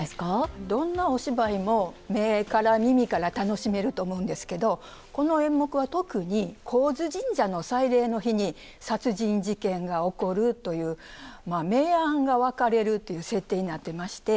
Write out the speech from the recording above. どんなお芝居も目から耳から楽しめると思うんですけどこの演目は特に高津神社の祭礼の日に殺人事件が起こるというまあ明暗が分かれるっていう設定になってまして。